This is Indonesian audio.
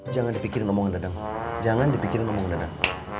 jangan dipikirin omongan dadang jangan dipikirin ngomong dadang